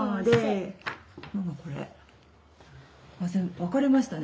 分かれましたね。